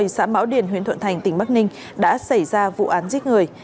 xã mão điền huyện thuận thành tỉnh bắc ninh đã xảy ra vụ án giết người